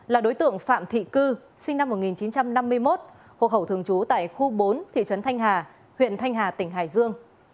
là đối tượng phạm thị cư sinh năm một nghìn chín trăm năm mươi một hộ khẩu thường trú tại khu bốn thị trấn thanh hà huyện thanh hà tỉnh hải dương